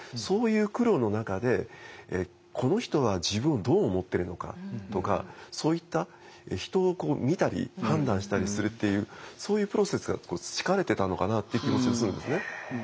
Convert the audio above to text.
そういう苦労の中でこの人は自分をどう思ってるのかとかそういった人を見たり判断したりするっていうそういうプロセスが培われてたのかなという気もするんですね。